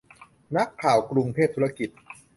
นักข่าวกรุงเทพธุรกิจ